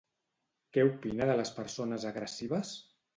Què opina de les persones agressives?